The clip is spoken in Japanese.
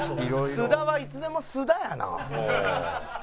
菅田はいつでも菅田やな。